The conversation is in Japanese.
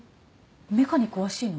メカに詳しいの？